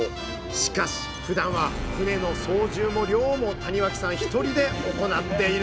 しかしふだんは船の操縦も漁も谷脇さん１人で行っているんです。